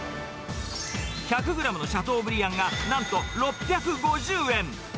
１００グラムのシャトーブリアンがなんと６５０円。